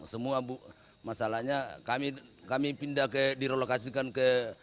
semua bu masalahnya kami pindah ke direlokasikan ke